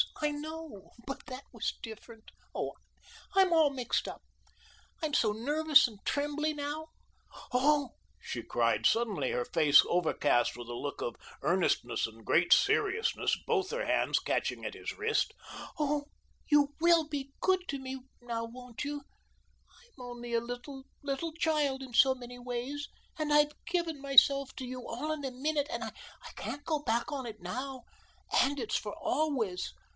"I know; but that was different oh, I'm all mixed up. I'm so nervous and trembly now. Oh," she cried suddenly, her face overcast with a look of earnestness and great seriousness, both her hands catching at his wrist, "Oh, you WILL be good to me, now, won't you? I'm only a little, little child in so many ways, and I've given myself to you, all in a minute, and I can't go back of it now, and it's for always.